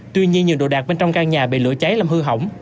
tuy nhiên nhiều đồ đạc bên trong căn nhà bị lửa cháy làm hư hỏng